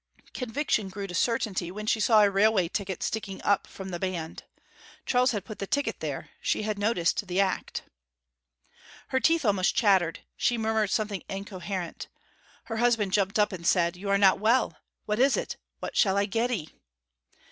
Conviction grew to certainty when she saw a railway ticket sticking up from the band. Charles had put the ticket there she had noticed the act. Her teeth almost chattered; she murmured something incoherent. Her husband jumped up and said, 'You are not well! What is it? What shall I get 'ee?'